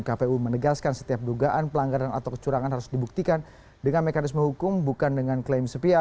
kpu menegaskan setiap dugaan pelanggaran atau kecurangan harus dibuktikan dengan mekanisme hukum bukan dengan klaim sepia